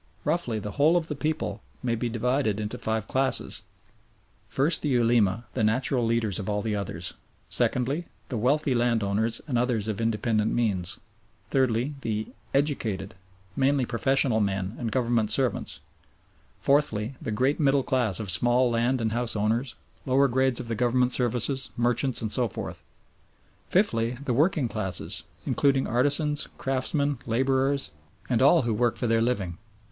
Roughly, the whole of the people may be divided into five classes. First, the Ulema, the natural leaders of all the others; secondly, the wealthy landowners and others of independent means; thirdly, the "educated," mainly professional men and Government servants; fourthly, the great middle class of small land and house owners, lower grades of the Government services, merchants, and so forth; fifthly, the working classes, including artisans, craftsmen, labourers, and all who work for their living.